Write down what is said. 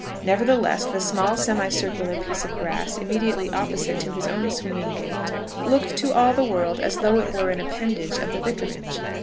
Nevertheless, the small semi circular piece of grass immediately opposite to his own swinging gate, looked to all the world as though it were an appendage of the Vicarage.